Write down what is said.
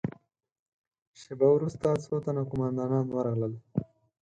شېبه وروسته څو تنه قوماندانان ورغلل.